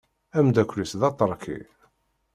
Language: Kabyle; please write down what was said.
Amdakel-is d aṭerki.